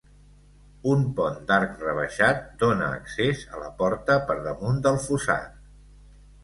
Un pont d'arc rebaixat dóna accés a la porta per damunt del fossat.